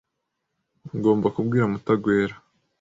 Ngomba kubwira Mutagwera.